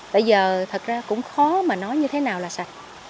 tại giờ thật ra cũng khó mà nói như thế nào là sạch